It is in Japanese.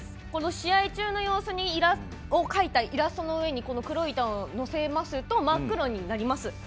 試合中の様子を描いたイラストの上に黒い板を乗せますと真っ黒になります。